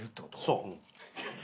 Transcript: そう。